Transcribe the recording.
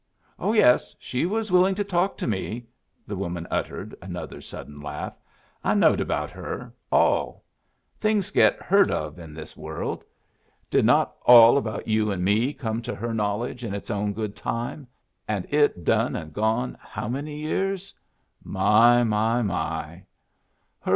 "Oh yes, she was willing to talk to me!" The woman uttered another sudden laugh. "I knowed about her all. Things get heard of in this world. Did not all about you and me come to her knowledge in its own good time, and it done and gone how many years? My, my, my!"